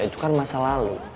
itu kan masa lalu